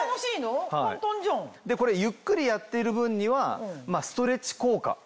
これゆっくりやっている分にはストレッチ効果。